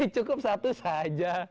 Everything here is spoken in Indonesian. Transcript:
cukup satu saja